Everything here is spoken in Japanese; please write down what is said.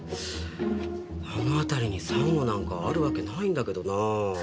あの辺りにサンゴなんかあるわけないんだけどなぁ